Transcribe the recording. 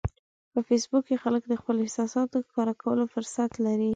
په فېسبوک کې خلک د خپلو احساساتو ښکاره کولو فرصت لري